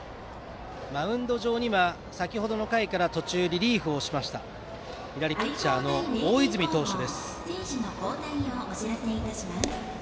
マウンド上には先程の回から途中リリーフをしました左ピッチャーの大泉投手です。